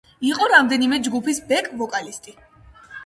იყო რამდენიმე ჯგუფის ბეკ-ვოკალისტი.